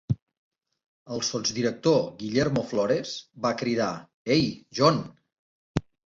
El sotsdirector Guillermo Flores va cridar: "Ei, John".